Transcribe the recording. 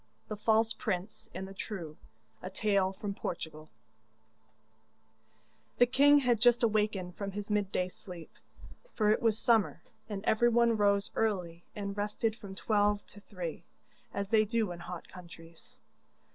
The False Prince and the True The king had just awakened from his midday sleep, for it was summer, and everyone rose early and rested from twelve to three, as they do in hot countries.